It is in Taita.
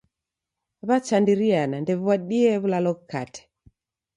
W'achandiriana ndew'iw'adie w'ulalo ghukate.